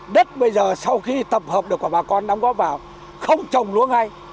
đất bây giờ sau khi tập hợp được và bà con đóng góp vào không trồng luôn ngay